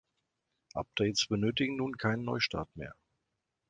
Updates benötigen nun keinen Neustart mehr.